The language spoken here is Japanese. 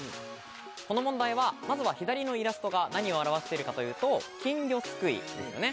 この問題はまずは左のイラストが何を表しているのかというと金魚すくいですね。